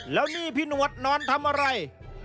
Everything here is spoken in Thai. แล้วนี่พี่หนวดนอนทำอะไร